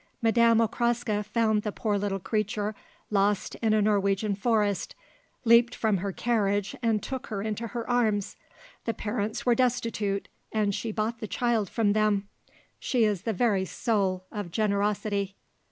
Madame Okraska found the poor little creature lost in a Norwegian forest, leaped from her carriage and took her into her arms; the parents were destitute and she bought the child from them. She is the very soul of generosity."